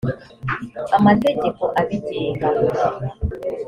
amategeko abigenga.